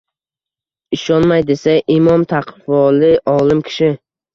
Ishonmay desa, imom taqvoli olim kishi.